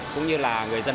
cũng như là người dân